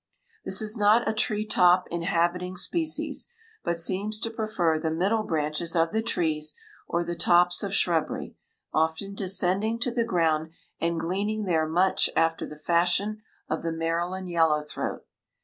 This is not a tree top inhabiting species, but seems to prefer the middle branches of the trees or the tops of shrubbery, often descending to the ground and gleaning there much after the fashion of the Maryland Yellow throat.